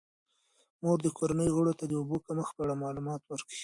مور د کورنۍ غړو ته د اوبو د کمښت په اړه معلومات ورکوي.